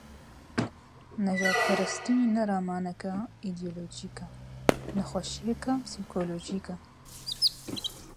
Nijadperestî ne ramaneke îdeolojîk e, nexweşiyeke psîkolojîk e.